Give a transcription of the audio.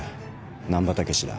難破猛だ。